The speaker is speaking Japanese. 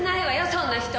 そんな人。